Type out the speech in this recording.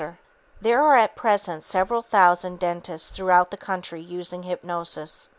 Price: 75 cents. There are at present several thousand dentists throughout the country using hypnosis.